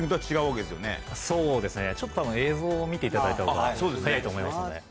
そうですねちょっと映像を見ていただいたほうが早いと思いますので。